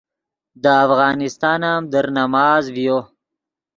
دے افغانستان ام در نماز ڤیو